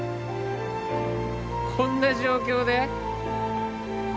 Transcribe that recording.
こんな状況で？